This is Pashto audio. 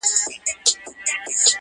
ته به شکرباسې ځکه چي ښایسته یم -